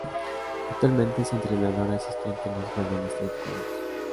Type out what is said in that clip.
Actualmente es entrenador asistente en los Golden State Warriors.